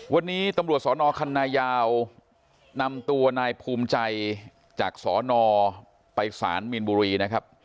วันนี้ตำรวจสนคันนายาวนำตัวนายภูมิใจจากสนไปสารมีนบุรีนะครับ